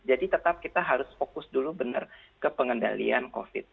jadi tetap kita harus fokus dulu benar ke pengendalian covid